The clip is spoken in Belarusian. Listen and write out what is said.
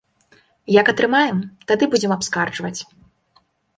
Як атрымаем, тады будзем абскарджваць.